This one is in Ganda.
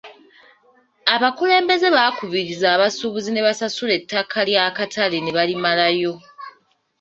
Abakulembeze baakubiriza abasuubuzi ne basasula ettaka ly'akatale ne balimalayo.